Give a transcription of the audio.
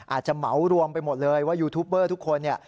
อาจจะเหมารวมไปหมดเลยว่ายูทูปเบอร์ทุกคนเนี่ย